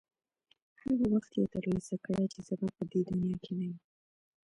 هغه وخت یې ترلاسه کړې چې زه به په دې دنیا کې نه یم.